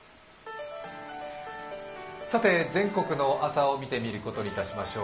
全国の朝を見てみることにいたしましょう。